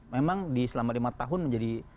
memang di selama lima tahun menjadi